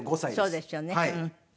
そうですよね。